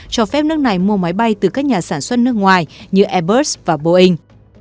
cho phép nước này mua máy bay từ các nhà sản xuất nước ngoài như airbus và boeing